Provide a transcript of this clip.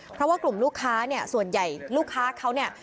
เพราะว่ากลุ่มลูกค้าเนี่ยส่วนใหญ่ลูกค้าเขาเนี่ย